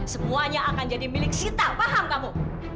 semuanya akan jadi milik sita paham kamu